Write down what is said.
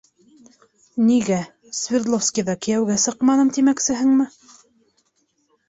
Нигә, Свердловскиҙа кейәүгә сыҡманым тимәксеһеңме?